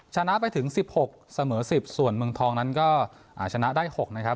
ชนะไปถึง๑๖เสมอ๑๐ส่วนเมืองทองนั้นก็ชนะได้๖นะครับ